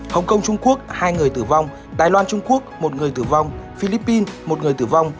hồng kông trung quốc hai người tử vong đài loan trung quốc một người tử vong philippines một người tử vong